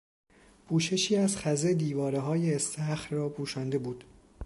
پوششی از خزه دیوارههای استخر را پوشانده بود.